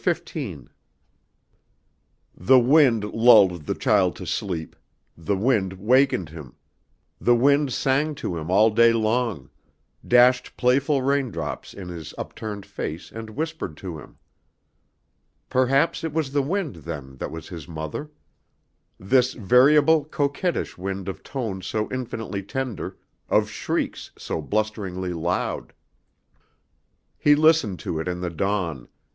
The wind lulled the child to sleep, the wind wakened him, the wind sang to him all day long, dashed playful raindrops in his upturned face and whispered to him. Perhaps it was the wind, then, that was his mother. This variable, coquettish wind of tones so infinitely tender, of shrieks so blusteringly loud. He listened to it in the dawn.